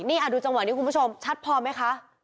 นี่ดูจังหวะนี้คุณผู้ชมชัดพอไหมคะ